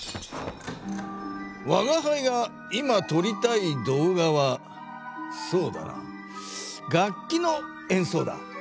わがはいが今とりたい動画はそうだな楽器のえんそうだ。